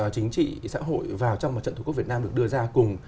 chính trị xã hội vào trong mặt trận thủ quốc việt nam được đưa ra cùng